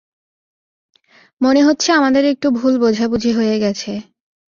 মনে হচ্ছে আমাদের একটু ভুল বোঝাবুঝি হয়ে গেছে।